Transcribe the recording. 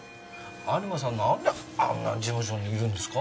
有馬さんなんであんな事務所にいるんですか？